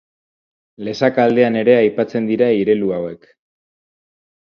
Lesaka aldean ere aipatzen dira irelu hauek.